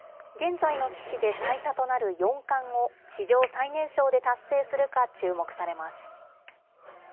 現在の棋士で最多となる四冠を史上最年少で達成するか注目されます。